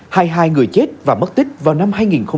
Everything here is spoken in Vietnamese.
hay hai người chết và mất tích vào năm hai nghìn hai mươi